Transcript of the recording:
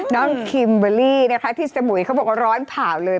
น้องคิมเบอรี่ที่สมุยเขาบอกว่าร้อนผาวเลย